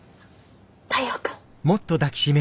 太陽君。